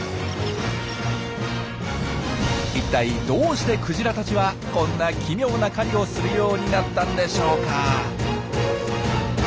いったいどうしてクジラたちはこんな奇妙な狩りをするようになったんでしょうか？